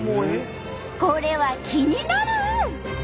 これは気になる！